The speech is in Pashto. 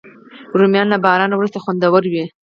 رومیان له باران وروسته خوندور وي